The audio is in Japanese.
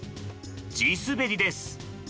地滑りです。